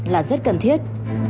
là rất cần thiết